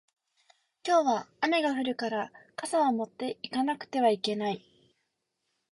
今日は雨が降るから傘を持って行かなくてはいけない